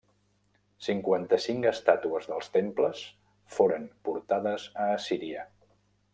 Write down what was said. Cinquanta-cinc estàtues dels temples foren portades a Assíria.